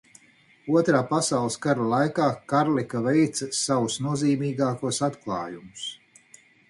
Otrā pasaules kara laikā Karlika veica savus nozīmīgākos atklājumus.